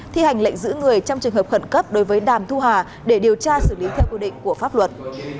thi hành lệnh giữ người trong trường hợp khẩn cấp đối với đàm thu hà để điều tra xử lý theo quy định của pháp luật